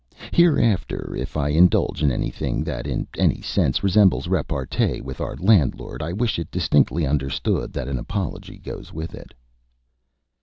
Hereafter if I indulge in anything that in any sense resembles repartee with our landlord, I wish it distinctly understood that an apology goes with it."